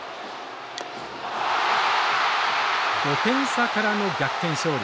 ５点差からの逆転勝利。